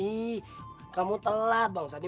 ih kamu telat bang sandi